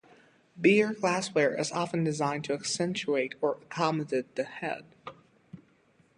Beer glassware is often designed to accentuate or accommodate the head.